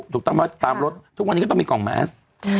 ถูกต้องไหมตามรถทุกวันนี้ก็ต้องมีกล่องแมส